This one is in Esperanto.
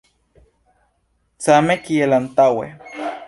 Same kiel antaŭe.